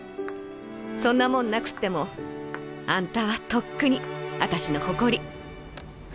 そんなもんなくってもあんたはとっくにあたしの誇り」。